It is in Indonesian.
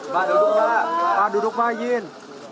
pak duduk pak pak duduk pak jin